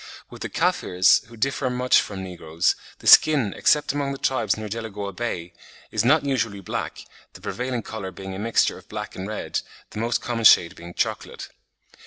With the Kaffirs, who differ much from negroes, "the skin, except among the tribes near Delagoa Bay, is not usually black, the prevailing colour being a mixture of black and red, the most common shade being chocolate.